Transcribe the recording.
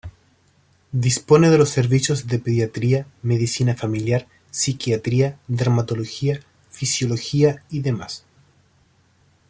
Dispone de los servicios de pediatría, medicina familiar, psiquiatría, dermatología, fisiología y demás.